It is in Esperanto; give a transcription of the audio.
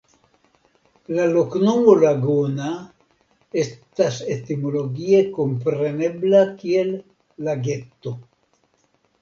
La loknomo "Laguna" estas etimologie komprenebla kiel "Lageto".